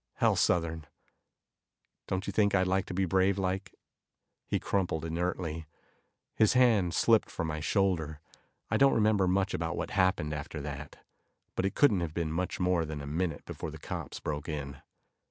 Hell, Southern, don't you think I'd like to be brave like " He crumpled inertly, his hand slipping from my shoulder. I don't remember much about what happened after that, but it couldn't have been much more than a minute before the cops broke in.